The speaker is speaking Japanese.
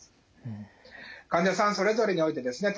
患者さんそれぞれにおいてですね